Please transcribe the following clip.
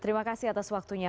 terima kasih atas waktunya